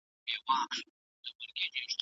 که علم په پښتو وي، نو د جهل غبار به پیکه شي.